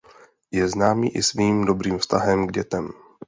Je známý i svým dobrým vztahem k dětem.